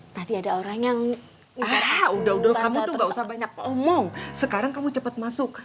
tadi ada orang yang ah udah kamu tuh gak usah banyak omong sekarang kamu cepat masuk